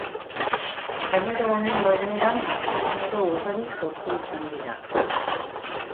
Genero honen barnean azpigenero ugari sortu izan dira.